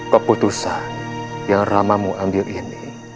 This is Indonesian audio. keputusan yang ramamu ambil ini